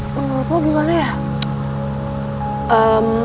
menurut lo gimana ya